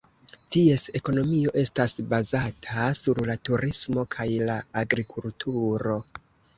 Ties ekonomio estas bazata sur la turismo kaj la agrikulturo.